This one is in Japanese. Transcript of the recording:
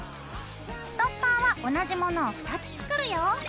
ストッパーは同じものを２つ作るよ。